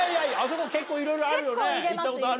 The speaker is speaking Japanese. そこ結構いろいろあるよね？